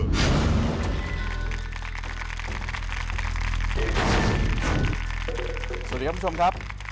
สวัสดีครับคุณผู้ชมครับ